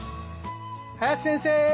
林先生！